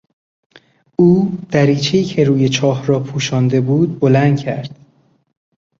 او دریچهای که روی چاه را پوشانده بود بلند کرد.